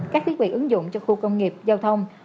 các thiết bị ứng dụng cho khu công nghiệp giao thông